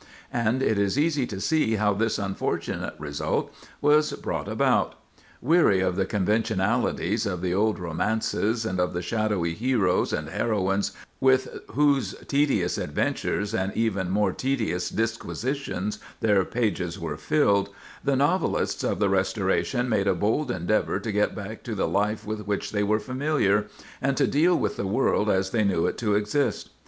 And it is easy to see how this unfortunate result was brought about. Weary of the conventionalities of the old romances, and of the shadowy heroes and heroines with whose tedious adventures and even more tedious disquisitions their pages were filled, the novelists of the Restoration made a bold endeavor to get back to the life with which they were familiar, and to deal with the world as they knew it to exist.